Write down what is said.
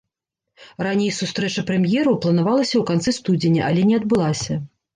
Раней сустрэча прэм'ераў планавалася ў канцы студзеня, але не адбылася.